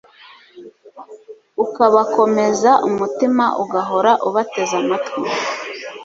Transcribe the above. ukabakomeza umutima ugahora ubateze amatwi